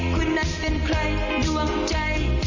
คนนั้นเป็นใครดวงใจ